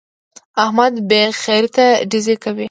احمد بې خريطې ډزې کوي.